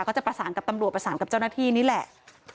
ก็จะประสานกับตำรวจประสานกับเจ้าหน้าที่นี่แหละ